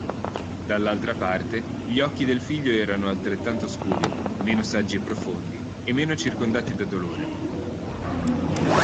Dall'altra parte, gli occhi del figlio erano altrettanto scuri, meno saggi e profondi, e meno circondati da dolore.